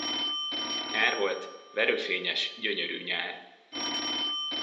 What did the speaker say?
Nyár volt, verőfényes, gyönyörű nyár.